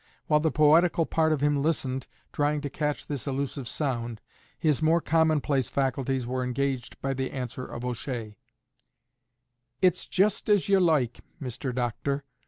While the poetical part of him listened, trying to catch this illusive sound, his more commonplace faculties were engaged by the answer of O'Shea: "It's just as ye loike, Mr. Doctor.